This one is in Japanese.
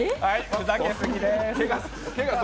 ふざけすぎでーす。